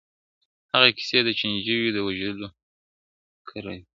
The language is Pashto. هغه کيسې د چڼچڼيو د وژلو کړلې.!